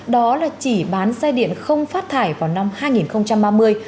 đó là chỉ bán xe điện không phát thải vào năm hai nghìn ba mươi